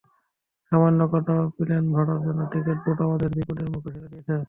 সামান্য কটা প্লেনভাড়ার জন্য ক্রিকেট বোর্ড আমাদের বিপদের মুখে ঠেলে দিয়েছে।